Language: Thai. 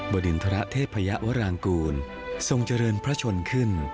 บดินทะระเทพพระยะวรางกูลส่งเจริญพระชนขึ้น